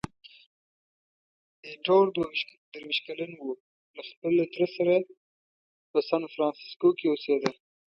ایټور درویشت کلن وو، له خپل تره سره په سانفرانسیسکو کې اوسېده.